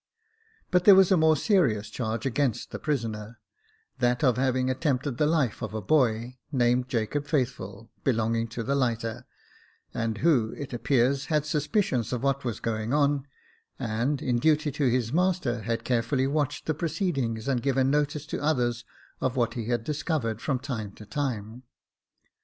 But there was a more serious charge against the prisoner, — that of having attempted the life of a boy, named Jacob Faithful, belonging to the lighter, and who, it appeared, had suspicions of what was going on, and, in duty to his master, had carefully watched the proceedings, and given notice to others of what he had discovered from time to time.